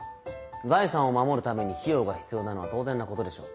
財産を守るために費用が必要なのは当然なことでしょう。